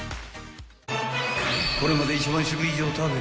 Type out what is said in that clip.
［これまで１万食以上食べた］